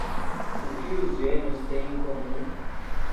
O que os gênios têm em comum